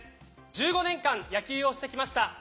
１５年間野球をしてきました。